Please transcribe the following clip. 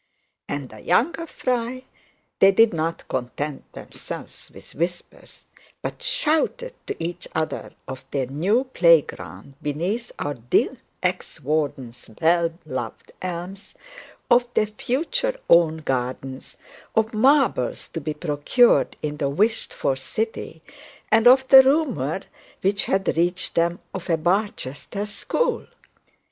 And the younger fry, they did not content themselves with whispers, but shouted to each other of their new playground beneath our dear ex warden's well loved elms, of their future own gardens, of marbles to be procured in the wished for city, and of the rumour which had reached them of a Barchester school.